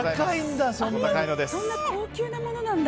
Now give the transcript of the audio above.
そんな高級なものなんだ。